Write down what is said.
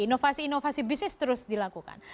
inovasi inovasi bisnis terus dilakukan